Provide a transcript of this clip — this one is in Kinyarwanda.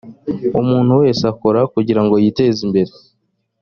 umuntu wese akora kugirango yitezimbere.